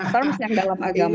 terus yang dalam agama